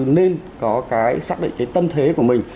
nên có cái xác định cái tâm thế của mình